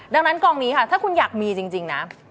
ดังนั้นกองนี้ค่ะถ้าคุณอยากมีจริงนะ